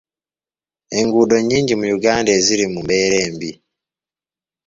Enguudo nnyingi mu Uganda eziri mu mbeera embi.